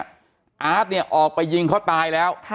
อาร์ตเนี่ยออกไปยิงเขาตายแล้ว